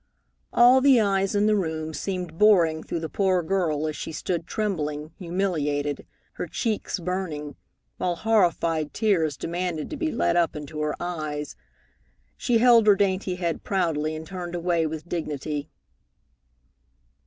All the eyes in the room seemed boring through the poor girl as she stood trembling, humiliated, her cheeks burning, while horrified tears demanded to be let up into her eyes. She held her dainty head proudly, and turned away with dignity.